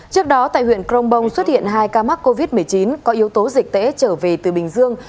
trước đó tại huyện crong bông xuất hiện hai ca mắc covid một mươi chín có yếu tố dịch tễ trở về từ bình dương